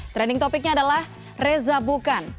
trending topicnya adalah reza bukan